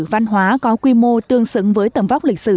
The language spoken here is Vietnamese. văn hóa có quy mô tương xứng với tầm vóc lịch sử